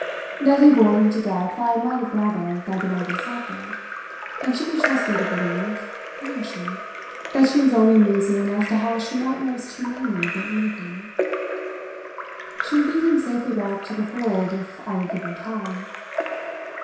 That he bored her to death I might have gathered by the way they sat there, and she could trust me to believe couldn't she? that she was only musing as to how she might most humanely get rid of him. She would lead him safely back to the fold if I would give her time.